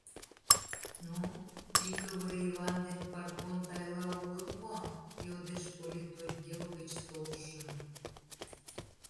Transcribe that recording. — Ну, Микывыр Йыван ден Парпон Тайла улыт мо? — йодеш политотдел гыч толшо.